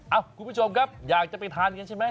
คุณผู้ชมครับอยากจะไปทานกันใช่ไหม